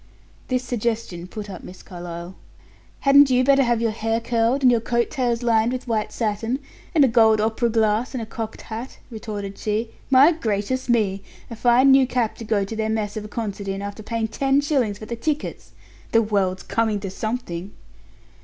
This suggestion put up Miss Carlyle. "Hadn't you better have your hair curled, and your coat tails lined with white satin, and a gold opera glass, and a cocked hat?" retorted she. "My gracious me! A fine new cap to go to their mess of a concert in, after paying ten shillings for the tickets! The world's coming to something."